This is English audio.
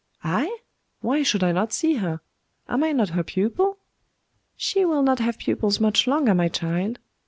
'I? Why should I not see her? Am I not her pupil?' 'She will not have pupils much longer, my child.